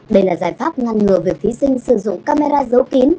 đây là giải pháp ngăn ngừa việc thí sinh sử dụng camera giấu kín